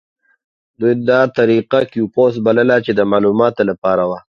دوی دا طریقه کیوپوس بلله چې د معلوماتو لپاره وه.